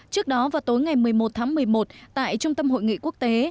trước đó vào tối ngày một mươi một tháng một mươi một tại trung tâm hội nghị quốc tế